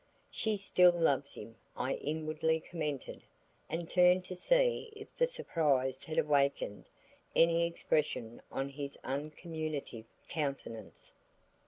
"She still loves him," I inwardly commented and turned to see if the surprise had awakened any expression on his uncommunicative countenance.